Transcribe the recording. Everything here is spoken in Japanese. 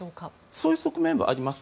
そういう側面はあります。